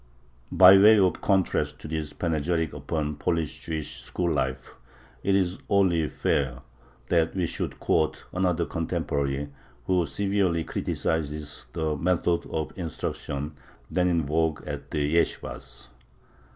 By way of contrast to this panegyric upon Polish Jewish school life, it is only fair that we should quote another contemporary, who severely criticizes the methods of instruction then in vogue at the yeshibahs.